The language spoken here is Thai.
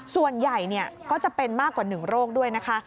ส่วนใหญ่ก็จะเป็นมากกว่า๑โรคด้วยนะคะ